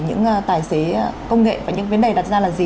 những tài xế công nghệ và những vấn đề đặt ra là gì